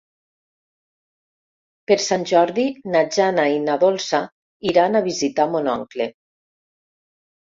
Per Sant Jordi na Jana i na Dolça iran a visitar mon oncle.